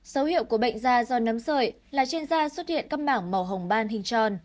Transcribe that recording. sấu hiệu của bệnh da do nấm sợi là trên da xuất hiện các mảng màu hồng ban hình tròn